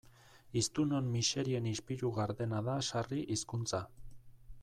Hiztunon miserien ispilu gardena da sarri hizkuntza.